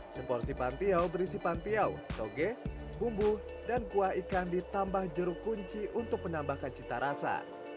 seporsi pantiau berisi pantiau toge bumbu dan kuah ikan ditambah jeruk kunci untuk menambahkan cita rasa